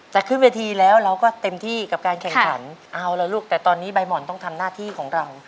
แต่ขึ้นเวทีแล้วเราก็เต็มที่กับการแข่งขันเอาละลูกแต่ตอนนี้ใบห่อนต้องทำหน้าที่ของเรา